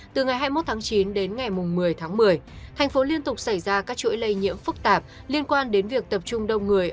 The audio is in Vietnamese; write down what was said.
từ ngày hai mươi một tháng chín đến ngày một mươi tháng một mươi thành phố liên tục xảy ra các chuỗi lây nhiễm phức tạp liên quan đến việc tập trung đông người